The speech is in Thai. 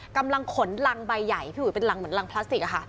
กำลังขนรังใบใหญ่พี่อุ๋ยเป็นรังเหมือนรังพลาสติกอะค่ะ